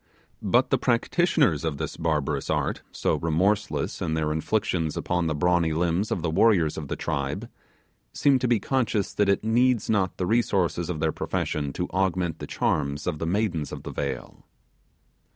But the practitioners of the barbarous art, so remorseless in their inflictions upon the brawny limbs of the warriors of the tribe, seem to be conscious that it needs not the resources of their profession to augment the charms of the maidens of the vale.